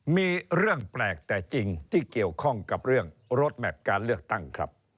มีเรื่องแปลกแต่จริงที่เกี่ยวข้องกับเรื่องรถแมพการเลือกตั้งครับ